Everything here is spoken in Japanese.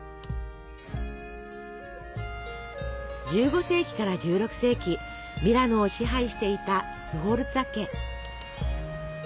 １５世紀から１６世紀ミラノを支配していたスフォルツァ家。